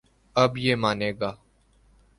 اب یہ مانے گا۔